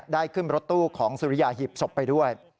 ขึ้นรถตู้ของสุริยาหีบศพไปด้วย